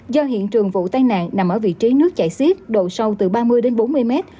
do hiện trường vụ tai nạn nằm ở vị trí nước chảy xiết độ sâu từ ba mươi đến bốn mươi mét